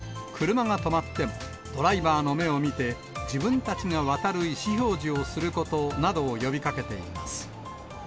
警視庁・東京空港署は、車が止まっても、ドライバーの目を見て、自分たちが渡る意思表示をすることなどを呼びかけています。